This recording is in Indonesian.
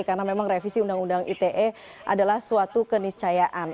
karena memang revisi undang undang ite adalah suatu keniscayaan